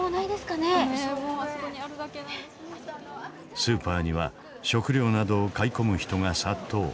スーパーには食料などを買い込む人が殺到。